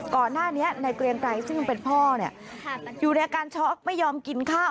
ก่อนหน้านี้ในเกรียงไกรซึ่งเป็นพ่ออยู่ในอาการช็อกไม่ยอมกินข้าว